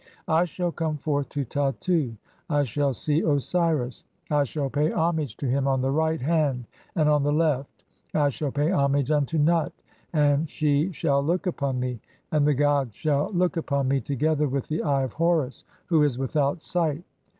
I shall "come forth to Tattu, (35) I shall see Osiris, I shall pay homage "to him on the right hand and on the left, I shall pay homage "unto Nut, and she shall look upon me, and the gods shall look "upon me, together with the Eye of Horus who (36) is without "sight